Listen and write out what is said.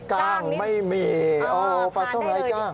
กล้างไม่มีปลาสมไรกล้าง